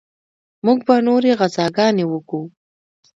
موږ به نورې غزاګانې وکو.